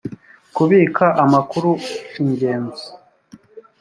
kubika amakuru ingenzi.